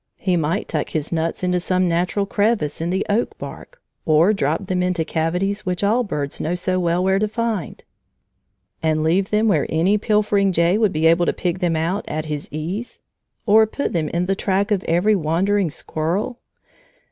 He might tuck his nuts into some natural crevice in the oak bark, or drop them into cavities which all birds know so well where to find. And leave them where any pilfering jay would be able to pick them out at his ease? Or put them in the track of every wandering squirrel?